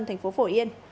thành phố phổ yên